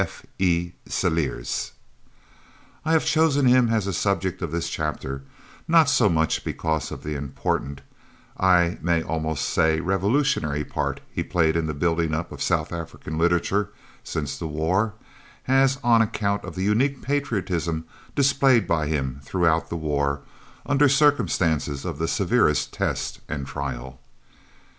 F.E. Celliers. I have chosen him as the subject of this chapter, not so much because of the important, I may almost say revolutionary part he has played in the building up of South African literature since the war, as on account of the unique patriotism displayed by him throughout the war under circumstances of the severest test and trial.